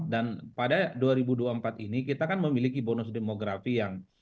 dan pada dua ribu dua puluh empat ini kita kan memiliki bonus demografi yang